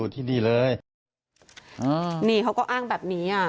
ที่นี่เลยอ่านี่เขาก็อ้างแบบนี้อ่ะ